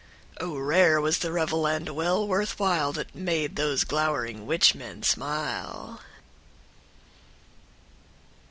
# Oh rare was the revel, and well worth while That made those glowering witch men smile.